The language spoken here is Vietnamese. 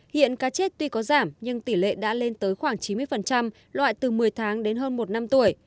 hiện cá chết tuy có giảm nhưng tỷ lệ đã lên tới khoảng chín mươi loại từ một mươi tháng đến hơn một năm tuổi